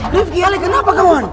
riff giale kenapa kauan